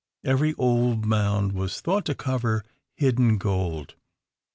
Every old mound was thought to cover hidden gold.